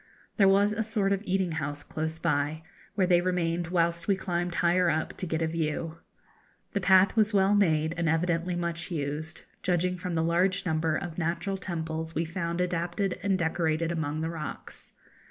There was a sort of eating house close by, where they remained whilst we climbed higher up to get a view. The path was well made, and evidently much used, judging from the large number of natural temples we found adapted and decorated among the rocks.